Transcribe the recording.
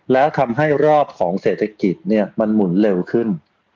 แล้วทำให้รอบของเศรษฐกิจเนี่ยมันหมุนเร็วขึ้น